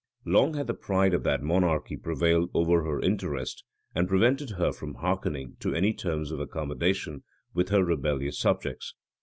Long had the pride of that monarchy prevailed over her interest, and prevented her from hearkening to any terms of accommodation with her rebellious subjects.